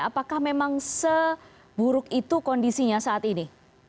apakah memang seburuk itu kondisinya saat ini